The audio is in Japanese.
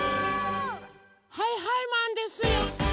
はいはいマンですよ！